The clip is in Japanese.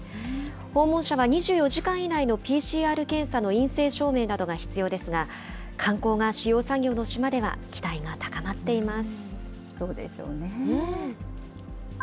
訪問者は２４時間以内のＰＣＲ検査の陰性証明などが必要ですが、観光が主要産業の島では、期待が高まっています。